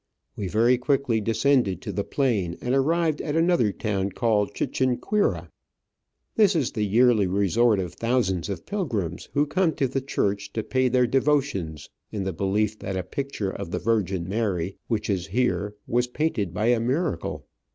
We very quickly descended to the plain and arrived at another town called Chiquinquira. This is the yearly resort of thousands of pilgrims, who come to the church to pay their devotions, in the belief that a picture of the Virgin Mary which is here was painted by a miracle.